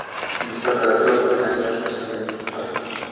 Los preparativos en la isla no se hicieron esperar.